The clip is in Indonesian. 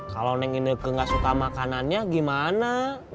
kalau nengi neke gak suka makanannya gimana